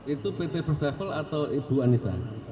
itu pt first travel atau ibu anissa